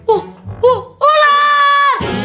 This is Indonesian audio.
uh uh ular